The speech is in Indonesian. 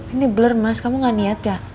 ini blur mas kamu gak niat ya